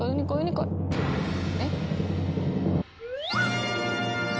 えっ？